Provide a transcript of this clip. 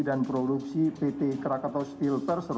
dan produksi pt krakatau steel